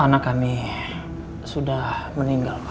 anak kami sudah meninggal